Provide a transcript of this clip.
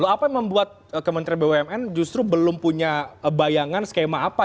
apa yang membuat kementerian bumn justru belum punya bayangan skema apa